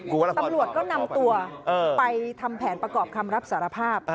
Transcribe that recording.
ตำรวจก็นำตัวไปทำแผนประกอบคำรับสารภาพ